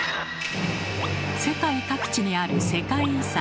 世界各地にある世界遺産。